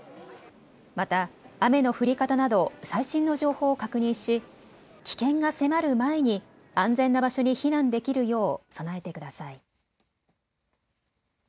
また雨の降り方など最新の情報を確認し危険が迫る前に安全な場所に避難できるよう備えてください。